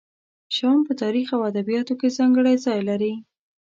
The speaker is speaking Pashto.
شام په تاریخ او ادبیاتو کې ځانګړی ځای لري.